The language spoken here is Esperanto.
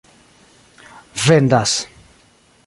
vendas